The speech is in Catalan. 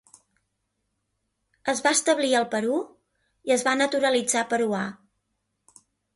Es va establir al Perú i es va naturalitzar peruà.